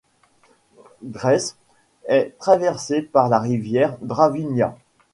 Zreče est traversée par la rivière Dravinja.